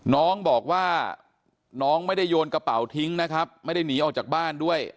น้องบอกว่าน้องไม่ได้โยนกระเป๋าทิ้งนะครับไม่ได้หนีออกจากบ้านด้วย